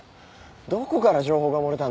どこから情報が漏れたんだ？